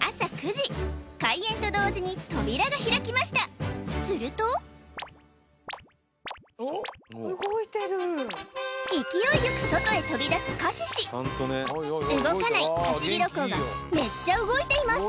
朝９時開園と同時に扉が開きましたすると勢いよく外へ飛び出すカシシ動かないハシビロコウがめっちゃ動いています